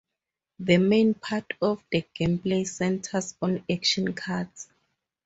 The main part of the gameplay centers on "action cards".